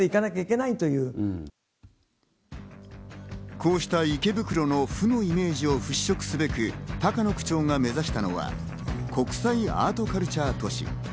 こうした池袋の負のイメージを払拭すべく、高野区長が目指したのが、国際アート・カルチャー都市。